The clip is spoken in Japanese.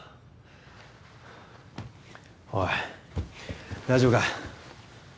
おい大丈夫か？